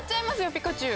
ピカチュウ。